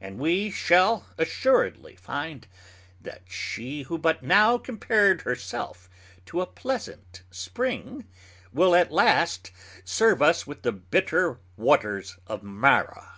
And we shall assuredly finde, that she who but now compared her self to a pleasant Spring, will at last serve us with the bitter Waters of Marah.